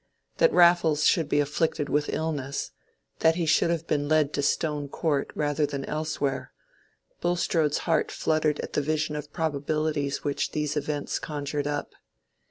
That Raffles should be afflicted with illness, that he should have been led to Stone Court rather than elsewhere—Bulstrode's heart fluttered at the vision of probabilities which these events conjured up.